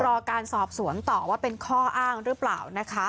รอการสอบสวนต่อว่าเป็นข้ออ้างหรือเปล่านะคะ